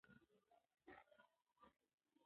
خیر محمد ته پکار ده چې د خپلې روغتیا خیال وساتي.